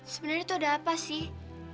sebenarnya itu ada apa sih